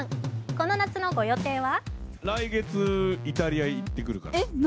この夏のご予定は？